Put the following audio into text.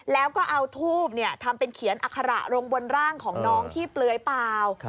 แล้วก็เอาทูบทำเป็นเขียนอัคระลงบนร่างของน้องที่เปลือยเปล่า